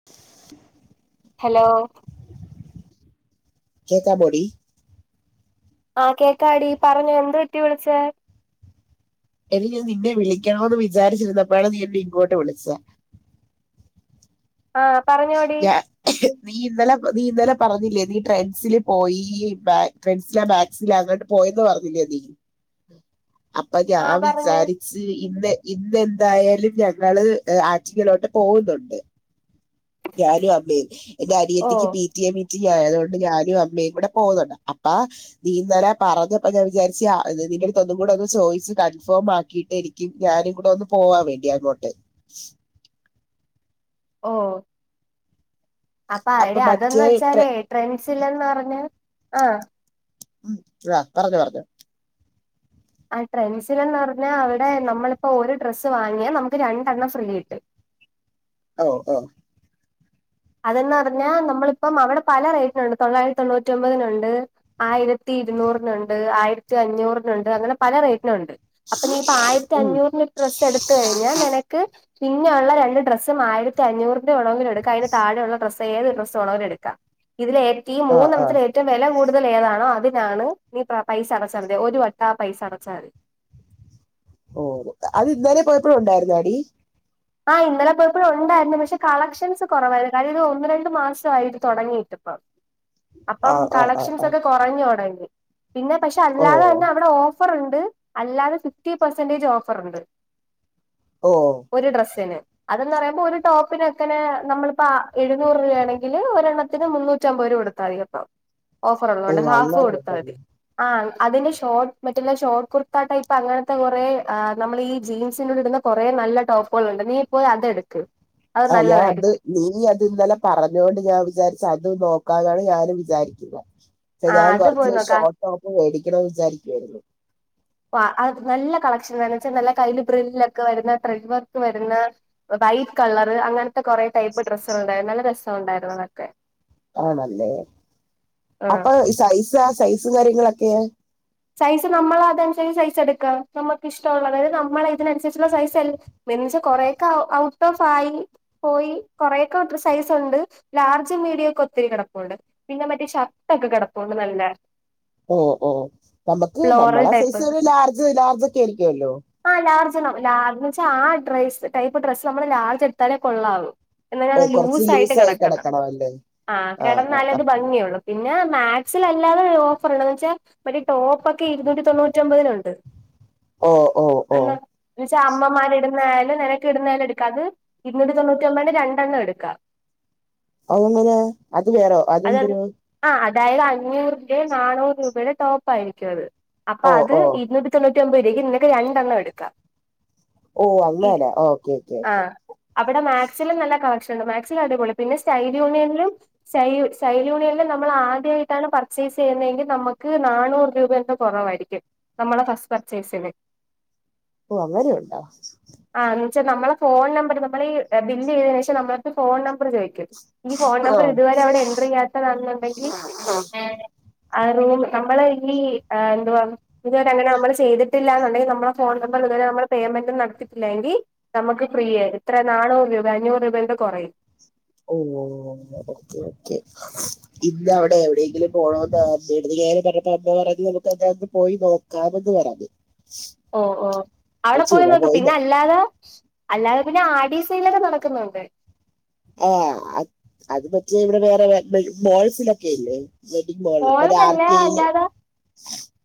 [inaudible] Hello കേക്കാമൊടി ആഹ് കേക്കാടി പറഞൊ എന്ത്പറ്റി വിളിച്ചേ എനിക്ക് നിന്നെ വിളിക്കണോന്ന് വിചാച്ചിരുന്നപ്പോഴാണ് നീ എന്നെ ഇങ്ങോട്ട് വിളിച്ചേ ആഹ് ഞാ നീയിന്നലെ നീയന്നലെ പറഞ്ഞില്ലേ നീ ട്രെൻസിൽ പോയി ബാക്ക് ട്രെൻസില മാറ്റി അങ്ങോട്ട് പോ പോയെന്ന് പറഞ്ഞില്ലേ നീ അപ്പൊ ഞാൻ ആ പറഞ്ഞ് വിചാരി ഇന്ന് ഇന്ന് എന്തായാലും ഞങ്ങള് ആറ്റിങ്ങലോട്ട് പോകുന്നുണ്ട് ഞാനു അമ്മയും എന്റെ ഓ അനിയത്തിക്ക് പി റ്റിയ മീറ്റിംഗ് ആയതോണ്ട് ഞാനും അമ്മയും കൂടെ പോന്നുണ്ട് അപ്പാ നീ ഇന്നലെ പറഞ്ഞപ്പ ഞാൻ വിചാരിച്ച് അ നിന്റെടുത്ത് ഒന്നും കൂടെ ഒന്ന് ചോയ്ച്ച് കൺഫോമാക്കിയിട്ട് നി ക്കിം ഞാനും കൂടെ ഒന്ന് പോവാവേണ്ടി അങ്ങോട്ട് ഓഹ് അപ്പൊ യെടീ മറ്റേ ട്രെ- അതെന്ന്ച്ചാലേ ട്രെൻസിലെന്ന് പറഞ്ഞാ ആഹ് ഉം അത്തറൊക്കെ പറഞ്ഞാർന്നു ആഹ് ട്രെൻസില്ന്ന് പറഞ്ഞാൽ അവിടെ നമ്മളിപ്പോ ഒരു ഡ്രസ്സ് വാങ്ങിയാൽ നമുക്ക് രണ്ടെണ്ണം ഫ്രീ കിട്ടും ഓ ഓ അതന്ന് പറഞ്ഞാ നമ്മളിപ്പം അവടെ പല റേറ്റിനുണ്ട്, തൊള്ളായിരത്തി തൊണ്ണൂറ്റി ഒമ്പതിനുണ്ട്. ആയിരത്തി ഇരുന്നൂറിനുണ്ട് ആയിരത്തി അഞ്ഞൂറിനുണ്ട് അങ്ങനെ പല റേറ്റിനുണ്ട്. അപ്പൊ നീ ഇപ്പ ആയിരത്തി ഉം അഞ്ഞൂറിന് ഡ്രസ്സ് എടുത്ത് കഴിഞ്ഞാ നിനക്ക് പിന്നെയുള്ള രണ്ട് ഡ്രസ്സും ആയിരത്തി അഞ്ഞൂറിന്റെ വേണങ്കിലും എടുക്കാം അതി താഴെ ഉള്ള ഡ്രസ്സ് ഏത് ഡ്രസ്സ്‌ വേണേലും എടുക്കാം ഇതില് ഏറ്റ ഈ ആ ആ മൂന്നെണ്ണത്തില് ഏ ഏറ്റവും വില കൂടുതൽ ഏതാണോ അതിനാണ് നീ പ പൈസ അടച്ചാൽ മതി ഒരു വട്ടം ആ പൈസ അടച്ചാമതി. ഓഹ് അത് ഇന്നലെ പോയപ്പഴും ഉണ്ടായിര്ന്നോടീ? ആഹ് ഇന്നലെ പോയപ്പോഴും ഉണ്ടായിരുന്നു. പക്ഷെ കളക്ഷൻസ് കൊറവായിരുന്നു. കാര്യം ഇത് ഒന്ന് രണ്ടു മാസമായി ഇത് തൊടങ്ങിയിട്ട്. തെപ്പ ആ അപ്പം ആ ആ കളക്ഷൻസ് ആ ഒക്കെ കുറഞ്ഞോടങ്ങി പിന്നെ പക്ഷെ ഓ അല്ലാതന്നെ അവിടെ ഓഫ ഫർ ഇണ്ട്. അല്ലാതെ ഫിഫ്റ്റി പെർസെന്റേജ് ഓഫർ ഇണ്ട്. ഓ ഒരു ഡ്രസ്സിന് അതന്ന് പറയുമ്പോ ഒരു ടോപ്പിനെക്കനെ നമ്മളിപ്പോ, എഴുന്നൂറ് രൂപയാണെങ്കില്, ഒരെണ്ണത്തിന് മുന്നൂറ്റി അമ്പത് രൂപ കൊടുത്താതി. ഓഫർ ഓ ഉള്ളോണ്ട് ഹാഫ് അങ്ങനെ കൊടുത്താ മതി ഉണ്ടല്ലേ ആഹ് അതിന്റെ ഷോർട്ട് മറ്റുള്ള ഷോർട്ട് കുർത്ത ടൈപ്പ് അങ്ങനത്തെ കുറേ നമ്മള് ഈ ജീൻസിനോട് ഇടുന്ന കൊറേ നല്ല ടോപ്പുകളുണ്ട് നീ ഇപ്പോ അതെട്ക്ക്. ആഹ് ഞാൻ അത് നീ അത് ഇന്നലെ പറഞ്ഞതോണ്ട് ഞാൻ വിചാരിച്ച് അത് നോക്കാനാണ് ഞാനും വിചാരിക്കുന്നേ ആ ഞാൻ അത് പോയി കൊറച്ച് നോക്ക ഷോട്ടോപ്പ്- മേടിക്കണന്ന് വിചാരിക്കുവായിരുന്നു. പ അ നല്ല കളക്ഷനാ എന്നുവെച്ച നല്ല കയ്യിൽ ബ്രിൽ ഒക്കെ വരുന്ന ത്രെഡ് വർക്ക് വരുന്ന വൈറ്റ് കളർ അങ്ങനത്തെ കൊറെ ടൈപ്പ് ഡ്രസ്സള് ഉണ്ടായിരുന്നു നല്ല രസം ഉണ്ടായിരുന്നു അതൊക്കെ ആണല്ലേ ആഹ് അപ്പൊ സൈസാ സൈസും കാര്യങ്ങളൊക്കെയാ? സൈസ് നമ്മൾ അതനുസരിച്ച് സൈസ് എടുക്കാം. നമ്മക്ക് ഇഷ്ടുള്ളത് അതായത് നമ്മള ഇതിനനുസരിച്ചുള്ള സൈസ് എൽ മെൻസ് കൊറെയൊക്കെ ഔട്ട് ഓഫ് ആയി. പോയി, കൊറെയൊക്കെ അത്ര സൈസ് ഒണ്ട് ലാർജും മീഡിയൊക്കെ ഒത്തിരി കെടപ്പുണ്ട്. പിന്നെ മറ്റേ ഷർട്ടൊക്കെ കിടപ്പൊണ്ട് നല്ല ഓ ഓ നമ്മക്ക് ഫ്ലോറൽ നമ്മളെ ടൈപ്പ് സൈസ് ഒരു ലാർജ് ലാർജൊക്കെ ആയിരിക്കുവല്ലോ. ആഹ് ലാർജെന്നെ ലാർജ്ന്ന് വെച്ച ആ ഡ്രസ്സ് ടൈപ്പ് ഡ്രസ്സ് നമ്മള് ലാർജ്ടുത്താലേ കൊള്ളാവു എന്ന ഓ അത് കുറച്ച് ലൂസായിട്ട് ലൂസായി കെടക്കണം കിടക്കണമല്ലേ ആഹ് ആ ആ കെടന്നാലേ ആ. ഒര് ഭംഗിയൊള്ളു. പിന്നെ മാക്സിലല്ലാതെ ഓഫർ ഉള്ളത് വെച്ചാ മറ്റേ ഈ ടോപ്പൊക്കെ ഇരുന്നൂറ്റി തൊണ്ണൂറ്റി ഒമ്പതിന് ഉണ്ട്. ഓ ഓ ഓ അല്ല [unintelligible] ച്ച അമ്മമാർ ഇടുന്നായാലും നിനക്ക് ഇടുന്നായാലും എടുക്ക അത് ഇരുന്നുറ്റി തൊണ്ണൂറ്റി ഒമ്പതിന്റെ രണ്ടെണ്ണം എടുക്കാം. അതെങ്ങനെ അത് വേണോ? അത് അതെന്തിന്? ആഹ് അതായത് അഞ്ഞൂറിന്റെ നാനൂറ് രൂപയുടെ ടോപ്പായിരിക്കും അത് അപ്പൊ ഓ അത് ഓ ഇന്നൊരു തൊണ്ണൂറ്റൊമ്പത് രൂവയ്ക്ക്‌ നിനക്ക് രണ്ടെണ്ണം എട്ക്കാം. ഓ അങ്ങനെ ഓക്കെ ഓക്കെ ഓക്കെ. അവടെ മാക്സിലും നല്ല കളക്ഷണ്ട് മാക്സിൽ അടിപൊളി പിന്നെ സ്റ്റൈല് യൂണിയന്ലും സൈ യു സൈൽ യൂണിയനിൽ നമ്മൾ ആദ്യായിട്ടാണ് പർച്ചേസ് ചെയ്യുന്നതെങ്കി നമ്മക്ക് നാനൂറ് രൂപന്റെ കൊറവായിരിക്കും നമ്മളെ ഫസ്റ്റ് പർച്ചേസിന്. ഓഹ് അങ്ങനെയുണ്ടോ ആ എന്ന് വെച്ചാ നമ്മളെ ഫോൺ നമ്പർ, നമ്മളീ ബില്ല് ചെയ്തേന് ശേഷം നമ്മളട്ത്ത് ഫോൺ നമ്പർ ചോയി കെ. ഈ ഫോൺ നമ്പർ ആഹ് ഇതുവരെ അവിടെ എന്റർ ചെയ്യാത്തതാണെന്നൊണ്ടെങ്കി, ഏഹ് ആഹ് റൂമി നമ്മള് ഇനി എ എന്തുവാന്ന്. ഇത് വരെ അങ്ങനെ അമ്മള് ചെയ്തിട്ടില്ലന്നുണ്ടെങ്കി നമ്മളെ ഫോൺ നമ്പറി ഇതുവരെ നമ്മള് പേയ്മെന്റും നടത്തിട്ടില്ലങ്കി നമ്മക്ക് ഫ്രീയ എത്ര നാനൂറ് രൂപ അഞ്ഞൂറ് രൂപേ എന്തോ കൊറയും ഓഓ ഓക്കെ ഓക്കെ. ഇന്ന് അവിടെ എവിടെയെങ്കിലും പോണോന്ന് [unintelligible] അമ്മ പറഞ്ഞത് നമുക്ക് [unintelligible] പോയി നോ കാവന്ന് പറഞ്ഞ്. ഓ ഓ അത് അവടെ പോയി ചുമ്മാ നോക്ക് പിന്നെ നോ അല്ലാതെ അല്ലാതെ പിന്നെ ആടീ സെയിലൊക്കെ നടക്കുന്നുണ്ട്. ആഹ് അത് പറ്റി ഇവടെ വേറെ മോഡൽസിലൊക്കെ ഇല്ലേ വെഡ്ഡിങ് മോൾ മറ്റേ ആർ കെയില്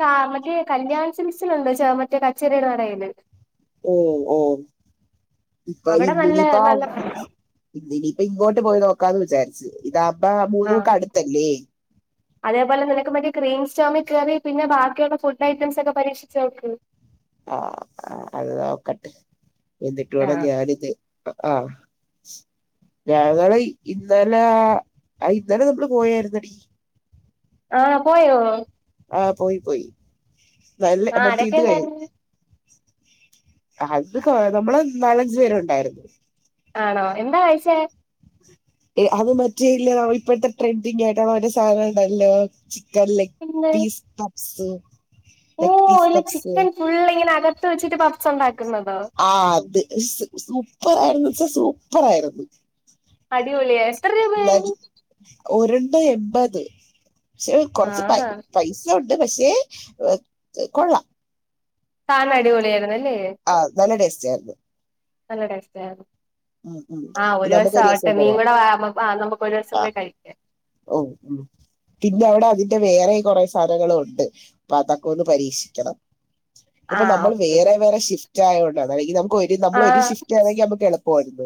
കാ മറ്റേ കല്യാൺ സിൽക്‌സിലുണ്ട് ച മറ്റേ കച്ചിരയില്നടയില്. ഓഹ് ഓഹ് ഇപ്പൊ അവിടെ നല്ല ഇന്നിനിപ്പോ നല്ല ഇന്നിനിയിപ്പ ഇങ്ങോട്ട് പോയി നോക്കാന്ന് വിചാരിച്ച്. ഇതാവുമ്പ ആ മൂന്ന് മുക്ക് അടുത്തല്ലേ? അതേപോലെ നിനക്ക് മറ്റേ ക്രീം സ്റ്റോമി കേറി പിന്നെ ബാക്കിയുള്ള ഫുഡ് ഐറ്റംസ് ഒക്കെ പരീക്ഷിച്ച് നോക്ക്. ആഹ് ആ അത് നോക്കട്ട് എന്നിട്ട് ആ വേണം ഞാനിത് അ ആഹ് ഞങ്ങള് ഇന്നലെ ആഹ് ഇന്നലെ നമ്മള് പോയായിരുന്നെടീ. ആഹ് പോയോ? ആഹ് പോയി പോയി നല്ല ആ മറ്റേ ആരൊക്കെ ഇത് കഴി ഉണ്ടായിരുന്നു അത് കൊ നമ്മള് നാലഞ്ചു പേരുണ്ടായിരുന്നു. ആണോ എന്താ കയിച്ചേ? അത് മറ്റേല്ല ഇപ്പോഴത്തെ- ട്രെൻഡിങ് ആയിട്ടുള്ള ഒരു സാധനണ്ടല്ലോ? ലെഗ് പീസ് പപ്സ് ഓഹ് ഒരു ചിക്കൻ ഫുള്ളിങ്ങനെ അകത്ത് വെച്ചിട്ട് പഫ്സ് ഉണ്ടാക്കുന്നതൊ? ആ അത് സൂ സൂപ്പർ ആയിരുന്നുച്ചാ സൂപ്പർ ആയിരുന്നു. അടിപൊളിയാ എത്ര രൂപയായി. ഒരെണ്ണം എൺപത് പക്ഷെ കൊറച്ച് ആഹാ പൈസ ക്കെണ്ട് പക്ഷേ കൊള്ളാം സാനം അടിപൊളിയായിരുന്നല്ലേ? ആഹ് നല്ല ഡ്രസ്സായിരുന്നു. നല്ല ടേസ്റ്റായിരുന്നു. ഉം ഉം ആഹ ഒരു നമുക്കൊരു ദിവസം വയസ്സാവട്ടെ നീയും പോവാം കൂടെ വാ. അമ്മക്ക് ആ നമക്ക് ഒരു ദിവസം പോയി കഴിക്ക. ഓഹ് ഉം പിന്നെ അവടെ അതിന്റെ വേറെയും കൊറേ സാധനങ്ങളുണ്ട് അപ്പൊ അതൊക്കെ ഒന്ന് പരീക്ഷിക്കണം. ഇപ്പൊ ആഹ് നമ്മൾ ഓക്കെ വേറെ വേറെ ഷിഫ്റ്റായോണ്ടാണ് അല്ലെങ്കിൽ നമുക്ക് ഒരു നമ്മള് ഒരു ആഹ് ഷിഫ്റ്റ് ആണെങ്കിൽ നമ്മക്ക് എളു പോരുണ്ട്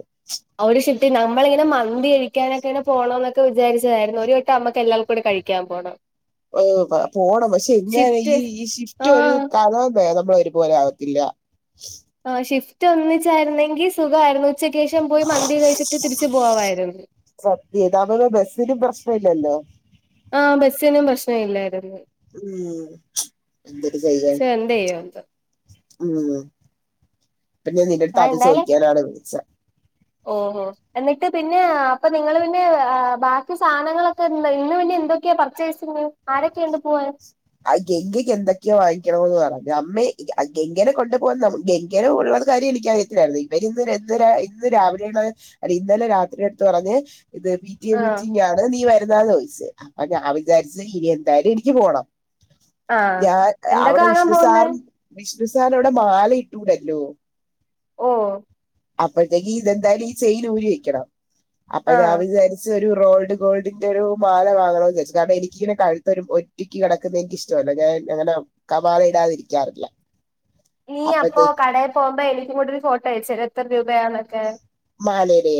ഒരു ഷിഫ്റ്റി നമ്മളിങ്ങനെ മന്തി കഴിക്കാനക്കെങ്ങനെ പോണംന്നൊക്കെ വിചാരിച്ചതായിരുന്നു. ഒരു വട്ടം അമ്മക്കെല്ലാൽക്കൂടി കഴി ക്കാൻ പോണം. ഓഹ് പോണം പക്ഷെ ഇങ്ങനെ ഷിഫ്റ്റ് ഈ ഈ ഷിഫ്റ്റ് ഒരു ആഹ് [unintelligible] നമ്മളെ ഒരു പോലെ ആവത്തില്ല. ആ ഷിഫ്റ്റ് ഒന്നിച്ചായിരുന്നെങ്കി സുഖമായിരുന്നു ഉച്ചക്കേഷം പോയി മന്തി കഴിച്ചിട്ട് തിരിച്ച് പോകമായിരുന്നു സത്യയിതാവുമ്പോ ബസ്സിനും പ്രശ്നില്ലല്ലോ? ആഹ് ബസ്സിനും പ്രശ്നം ഇല്ലായിരുന്ന് ഉം എന്തര് ചെയ്യാൻ? എന്തെയ്യും എന്തോ ഉം പിന്നെ നിന്റടുത്ത് ആഹ് അത് എന്തായാലും ചോദിക്കാനാണ് വിളിച്ചെ ഓഹോ എന്നിട്ട് പിന്നെ അപ്പൊ നിങ്ങള് പിന്നെ [unintelligible] ബാക്കി സാനങ്ങളൊക്കെ [unintelligible] ഇന്ന് പിന്നെ എന്തൊക്കെയാ പർ പർച്ചേസിംഗിന് ആരൊക്കെയുണ്ട് പോവാൻ ആ ഗെംഗക്ക് എന്തൊക്കെയോ വാങ്ങിക്കണോന്ന് പറഞ്ഞ്. അമ്മേ അയ് ഗംഗേനെ കൊണ്ടുപോകാൻ നമു ഗെങ് ഇങ്ങനെ ഉള്ളത്കാര്യം എനിക്കറിയത്തിലായിരുന്നു. ഇവര് ഇന്ന് [unintelligible] രാ ഇന്ന് രാവിലെണത് അല്ല ഇന്നലെ രാത്രി അട്ത്ത് പറഞ്ഞ് ഇത് വി പി. ടി. എ ആഹ് മീറ്റിംഗാണ് നീ വരുന്നന്ന് ചോദിച്ച്, അപ്പോ ഞാൻ വിചാരിച്ച് ഇനി എന്തായാലും എനിക്ക് പോണം. ആഹ് ഞാൻ എന്താ അവിടെ കാണാൻ വിഷ്ണു സാർ പോകുന്നേ വിഷ്ണു സാർ അവിടെ മാല ഇട്ടൂടല്ലോ? ഓഹ് അപ്പോത്തേക്ക് ഇതെന്തായാലും ഈ ചെയിൻ ഊരി വെക്കണം. അപ്പൊ ആഹ് ഞാൻ വിചാരി ച്ചൊരു റോൾഡ് ഗോൾഡിന്റെ ഒരു മാല വാങ്ങണമന്ന് വെച്ചു. കാരണം എനിക്കിങ്ങനെ കഴുത്തൊരു ഒറ്റക്ക് കെട ക്കുന്നെ എനിക്ക് ഇഷ്ടല്ല ഞാൻ അങ്ങനെ കവാള ഇടാതിരിക്കാറില്ല. നീ അപ്പൊ അപ്പഴത്തേക്ക് കടയിൽ പോകുമ്പോ എനിക്ക കൂടെ ഒരു ഫോട്ടോ അയച്ചേരോ എത്ര രൂപയാന്നൊക്കെ മലേടെ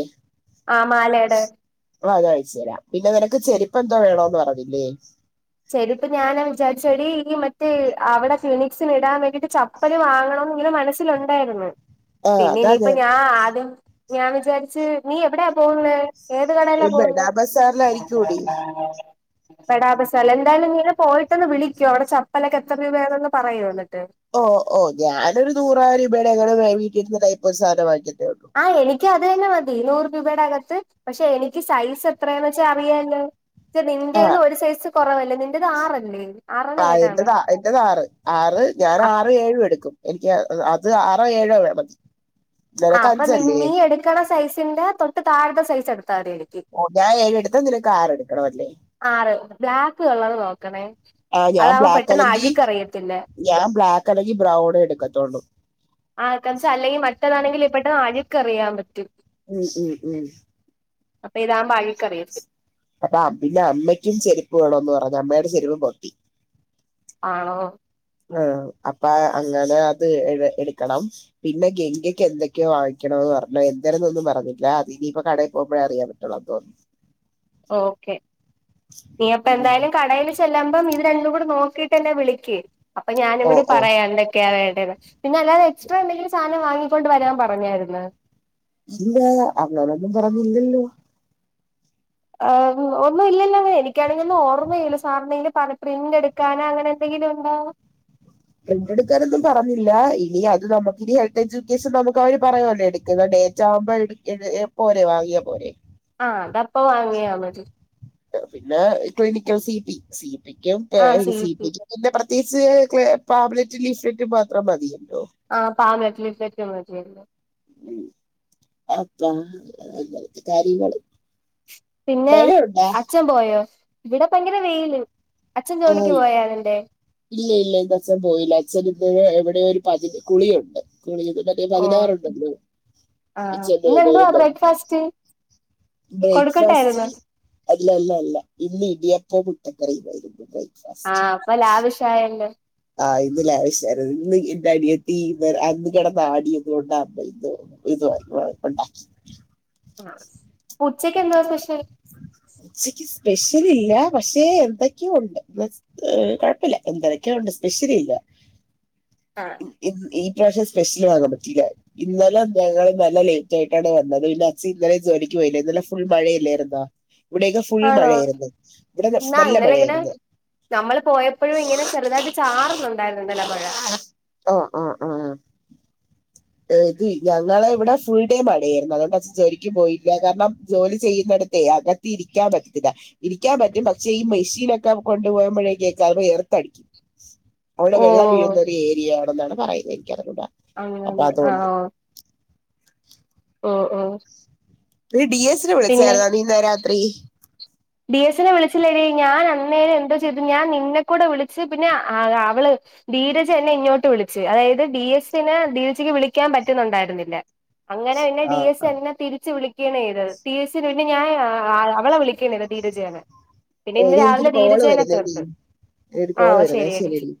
ആ മാലയുടെ ആ അത് അയച്ചു തരാം പിന്നെ നിനക്ക് ചെരുപ്പ എന്താ വേണോന്ന് പറഞ്ഞില്ലേ ചെരുപ്പ് ഞാൻ വിചാരിച്ചത് ഈ മറ്റേ അവിടെ ക്ലിനിക്ക്സിന് ഇടാൻ വേണ്ടിട്ട് ച അപ്പല് വാങ്ങണന്ന് ഇങ്ങനെ മനസ്സിലുണ്ടായിരുന്നു ആ പിന്നെ അതാ ഇനിയിപ്പ ഞാൻ ആദ്യം ഞാൻ വിചാരിച്ച് നീ എവിടെയാ പോവുന്നത് ഏത് കടയില ബഡാ പോവുന്നത് ബസാറിലായിരിക്കൂടി പടാപസാല എന്തായാലും ഇീന പോയിട്ടൊന്ന് വിളിക്കോ അവിടെ ചപ്പലൊക്കെ എത്ര രൂപ വേണന്ന് പറയോ എന്നിട്ട് ഓ ഓ ഞാനൊരു നൂറായിരം രൂപയുടെ എങ്ങന വീട്ടിരുന്ന ടൈപ്പൊ സാധം വാങ്ങിട്ടേ ഉള്ളൂ ആഹ് എനിക്ക് അത് തന്നെ മതി നൂറ് രൂപയുടെ അകത്ത് പക്ഷെ എനിക്ക് സൈസ് എത്രയാന്ന് വെച്ചാ അറിയല്ലോ ആ നിന്റെന്ന് ഒരു സൈസ് കുറവല്ലേ നിന്റെത് ആറല്ലേ ആറണ ഏഴാണ അയിന്റെ കാർ ആറ് ഞാൻ ആറ് ഏഴും എടുക്കും എനിക്ക് അത് ആറോ ഏഴോ വേണം [unintelligible] ഹജ്ജ് അല്ലേ ഇക്കാടെ സൈസിന്റെ തൊട്ട് താഴത്തെ സൈസ് എടുത്താ മതി എനിക്ക് ഓ ഞൻ ഏഴ്ടുത്താ നിനക്ക് കാർടുക്കണംമല്ലേ ആറ് ബ്ലാക്ക് കളർ നോക്കണേ ആ ഞാൻ അതാവുമ്പൊ ബ്ലാക്ക് പെട്ടെന്ന് അല്ലെങ്കിൽ അഴുക്ക് അറിയത്തില്ല ഞാൻ ബ്ലാക്ക് അല്ലങ്കിൽ ബ്രൗണ് എടുക്കത്തുള്ളൂ ആഹ് കാ അല്ലെങ്കിൽ മറ്റേതാണെങ്കിൽ പെട്ടെന്ന് അഴുക്ക്റിയാൻ പറ്റും ഉം ഉം ഉം അപ്പൊ ഇതാകുമ്പോൾ അഴുക്ക് അറിയത്തില്ല അപ്പൊ പിന്നെ അമ്മയ്ക്കും ചെരുപ്പ് വേണന്ന് പറഞ്ഞ അമ്മയുടെ ചെരുപ്പും പൊട്ടി ആണോ ആഹ് അപ്പൊ അങ്ങനെ അത് എ എടുക്കണം പിന്നെ ഗംഗയ്ക്ക് എന്തൊക്കെയോ വാ ങ്ങിക്കണോ എന്ന് പറഞ്ഞോ എന്തേെന്നൊന്നും പറഞ്ഞില്ല അത് ഇനിയിപ്പ കടയിൽ പോകുമ്പഴേ അറിയാമേ [unintelligible] ഓക്കെ നീ അപ്പ ഉം എന്തായാലും കടേൽ ചെല്ല്പം ഇത് രണ്ടും കൂടെ നോക്കീട്ട്ന്നെ വിളിക്കക്ക് അപ്പൊ ഞാനും ഓ കൂടി ഓ പറയാ ക്കെയ വേണ്ടത് പിന്ന അല്ലാതെ എക്സ്ട്രാ എന്തെങ്കിലും സാധനം വാങ്ങിക്കൊണ്ട് വരാൻ പറഞ്ഞായിരുന്നു ഇല്ലാ അവളോടൊന്നും പറഞ്ഞില്ലല്ലോ അവു ഒന്നും ഇില്ല ല്ല ലെ എനിക്കാണെങ്കിൽ ഒന്നും ഓർമ്മയില്ല സാറിനെൽ പറ പ്രിന്റ് എടു കാന അങ്ങനെ എന്തെങ്കിലും ഉണ്ടോ എന്റെടുക്കലൊന്നും പറഞ്ഞില്ല ഇനി അത് നമുക്ക് ഇനി ഹെൽത്ത് എജ്യൂക്കേഷൻ നമുക്ക് അവര് പറയുവല്ലോ എടുക്കുന്ന ഡേ ചാമ്പൾ പോരെ എപോയേ വാങ്ങിയ പോലെ ആഹ് അത അപ്പ വാങ്ങിയാ മതി പിന്നെ ക്ലിനിക്കൽ സി പി സിപിക്കും ആഹ് സിപ സീറ്റ് പിന്നെ പ്രത്യേകിച്ച് ക്ലെ പാബലറ്റും ലിഫ്ലറ്റും മാത്രം മതിയല്ലോ ആഹ് [unintelligible] ഒക്കെ മതിയാന്നു അപ്പ അത കാര്യങ്ങള് പിന്നെ മഴയുണ്ടാ അച്ഛൻ പോയോ ഇവിടപ ഭയങ്കര വെയില് അച്ഛൻ ജോലിക്ക് ആഹ് പോയോ അന്റെ ഇല്ല ഇല്ല ഇന്ന് അച്ഛൻ പോയില്ല അച്ഛൻ ഇന്ന് എവിടെയ ഒരു പതിന കുളിയുണ്ട് കുളിന്ന് ഓഹ് പതിനാറുണ്ടല്ലോ അച്ഛന്റെ തരുമ്പോ ഫസ്റ്റ് ബ്രേക്ക്ഫാസ്റ്റ് അല്ലല്ല അല്ല ഇന്ന് ഇടിയപ്പം മുട്ടക്കറി ആയിരുന്നു ആഹ് അപ്പ ലാവിഷ് ആയല്ലോ ആഹ് ഇന്നല്ലാവിശർന്ന് ഇന്ന് എന്റെ അനിയെത്തി അന്ന് കിടന്നാടിയത്കൊണ്ടാ അമ്മ ഇന്നോ ഇത് അ [unintelligible] ആഹ് ഉച്ചക്ക് എന്തവാ സ്പെഷ്യൽ ഉച്ചക്ക് സ്പെഷ്യൽ ഇല്ല പക്ഷേ എന്തൊക്കെയോ ഉണ്ട് ഏ കൊഴപ്പില്ല എന്തൊരൊക്കെയോ ഉണ്ട് സ്പെഷ്യല് ഇല്ല ഇൻ ഈ പ്രാവശ്യം സ്പെഷ്യല വാങ്ങാൻ പറ്റില്ലേ ഇന്നലെ ഞങ്ങള്ൾ നല്ല ലേറ്റ് ആയിട്ടാണ് വന്നത് പിന്നെ അച്ച് ഇന്നലെ ജോലിക്ക് പോയില്ല ഇന്നലെ ഫുൾ മഴയില്ലായിരുന്നോ ഇവിടെയൊക്കെ ഫുൾ ആണോ മഴയായിരുന്നു ഇവിടെ നല്ല മഴ ആയിരുന്നു നമ്മള് പോയപ്പോഴും ഇങ്ങനെ ചെറുതായിട്ട് ചാറുന്നുണ്ടായിരുന്നുണ്ടല്ലോ മഴ ആഹ് ആഹ് ഇത് ഞങ്ങള ഇവിടെ ഫുൾ ഡേ മഴയായിരുന്നു അതുകൊണ്ട് ജോലും പോയില്ല കാരണം ജോലി ചെയ്യുന്നിടത്തേ അക ഇരിക്കാൻ പറ്റത്തില്ല ഇരിക്കാൻ പറ്റും പക്ഷേ ഈ മെഷീനൊക്കെ കൊണ്ടു പോകുമ്പോഴേക്ക് എർത്തടിക്കും അവിടെ ഓ വെള്ളം വീഴുന്ന ഒരു ഏരിയ ആണെന്നാണ് പറയുന്നത് എനിക്ക് അറിഞ്ഞുടാ അങ്ങനെനെ ആഹ് ഓഹ് ഓഹ് ഒരു ഡി എസ്നെ വിളിച്ചായിരുന്നാ നീ ഇന്നല രാത്രി ഡിഎസിനെ വിളിച്ചില്ല എടി ഞാൻ അന്നേരം എന്തോ ചെയ്തു ഞാൻ നിന്നെക്കുടെ വിളിച്ച് പിന്നെ അവള് ധീരജ് എന്നെ ഇങ്ങോട്ട് വിളിച്ചു അതായത് ഡി എസ്നെ ധീരജക്ക് വിളിക്കാൻ പറ്റുന്നുണ്ടായിരുന്നില്ല അങ്ങനെ പിന്നെ ഡി ആ എസ് എന്നെ തിരിച്ച് വിളിക്കണത് ചെയ്യ്തത് ടി എസ്സിന് പിന്നെ ഞാൻ അവളെ വിളിക്കണത് ധീരജേന പിന്നെ ഇന്ന് എടി രാവിലെ എനിക്കൊരു കോള് ധീരജേനെ വരുന്നേ എടി തീർത്ത ഒരു ആഹ കോള് വരുന്നേ ശരിയടി ശരി എടി